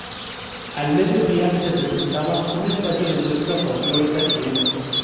Al mediodía se presentaba un espacio de música folklórica chilena.